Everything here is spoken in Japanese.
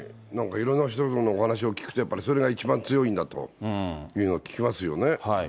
なんかいろんな人のお話を聞くと、やっぱりそれが一番強いんだというのを聞きますよね。